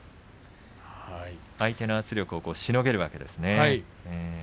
相手の圧力をしのげるわけですね。